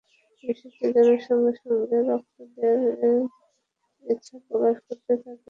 বিষয়টি জানার সঙ্গে সঙ্গে রক্ত দেওয়ার ইচ্ছা প্রকাশ করতে থাকেন রিয়াজ ভক্তেরা।